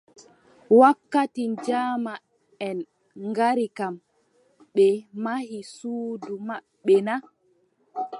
Wakkati jaamaʼen ngari kam, ɓe mahi suudu maɓɓe na ?